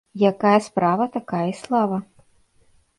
Якая справа, такая й слава